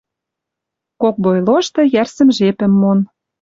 Кок бой лошты йӓрсӹм жепӹм мон.